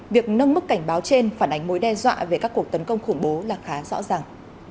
việc nâng mức cảnh báo trên phản ánh mối đe dọa về các cuộc tấn công khủng bố là khá rõ ràng